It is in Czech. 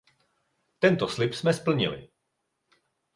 Tento slib jsme splnili.